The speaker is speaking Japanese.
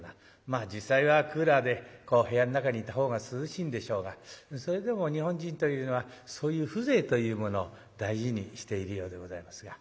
まあ実際はクーラーで部屋の中にいた方が涼しいんでしょうがそれでも日本人というのはそういう風情というものを大事にしているようでございますが。